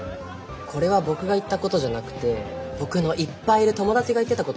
これはボクが言ったことじゃなくてボクのいっぱいいる友達が言ってたことなんだけどね。